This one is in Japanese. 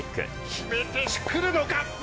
決めてくるのか。